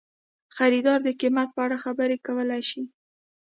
خریدار د قیمت په اړه خبرې کولی شي.